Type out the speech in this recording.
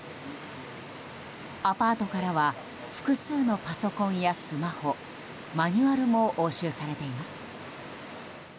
アパートからは複数のパソコンやスマホマニュアルも押収されています。